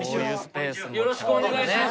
よろしくお願いします。